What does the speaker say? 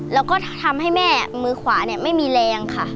แล้วก็ทำให้แม่มือขวาเนี่ยไม่มีแรงค่ะ